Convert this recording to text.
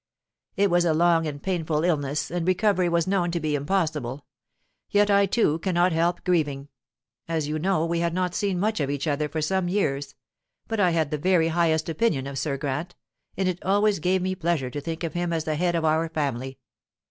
"It was a long and painful illness, and recovery was known to be impossible. Yet I too cannot help grieving. As you know, we had not seen much of each other for some years, but I had the very highest opinion of Sir Grant, and it always gave me pleasure to think of him as the head of our family.